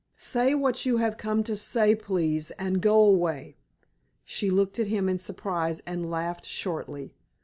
Say what you have come to say, please, and go away." She looked at him in surprise, and laughed shortly.